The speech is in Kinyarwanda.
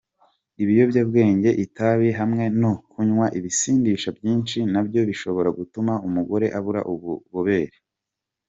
Ibiyobyabwenge, itabi, hamwe no kunywa ibisindisha byinshi nabyo bishobora gutuma umugore abura ububobere.